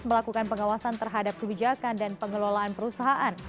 melakukan pengawasan terhadap kebijakan dan pengelolaan perusahaan